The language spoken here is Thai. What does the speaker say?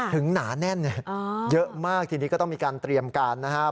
หนาแน่นเยอะมากทีนี้ก็ต้องมีการเตรียมการนะครับ